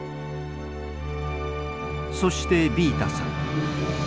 そしてビータさん。